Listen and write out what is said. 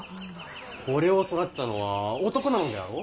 これを育てたのは男なのであろう？